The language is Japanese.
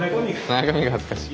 中身が恥ずかしい。